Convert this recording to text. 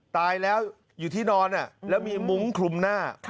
ตายแล้วอยู่ที่นอนแล้วมีมุ้งคลุมหน้า